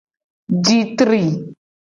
Ji tri.